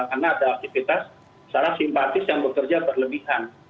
karena ada aktivitas secara simpatis yang bekerja berlebihan